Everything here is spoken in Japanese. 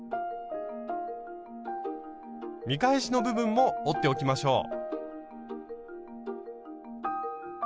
見返しの部分も折っておきましょう。